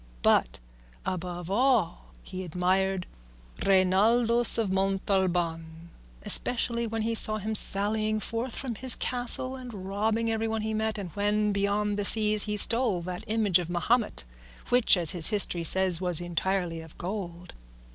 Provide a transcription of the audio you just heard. But above all he admired Reinaldos of Montalban, especially when he saw him sallying forth from his castle and robbing everyone he met, and when beyond the seas he stole that image of Mahomet which, as his history says, was entirely of gold.